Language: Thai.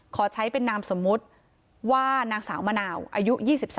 ขอใช้เป็นนามสมมุติว่านางสาวมะนาวอายุ๒๓